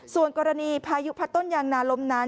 ส่วนกรณีพายุพัดต้นยางนาลมนั้น